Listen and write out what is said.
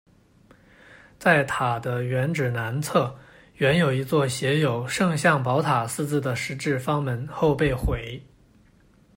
在塔的原址南侧原有一座写有“胜像宝塔”四字的石制坊门，后被毁。